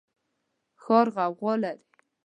ښار غوغا لري